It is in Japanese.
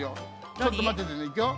ちょっとまっててねいくよ。